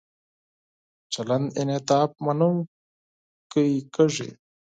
چلند انعطاف مننونکی کیږي.